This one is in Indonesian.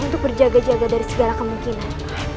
untuk berjaga jaga dari segala kemungkinan